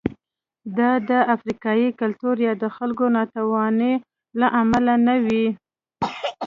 دا د افریقايي کلتور یا د خلکو ناتوانۍ له امله نه وې.